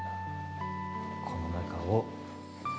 この中を。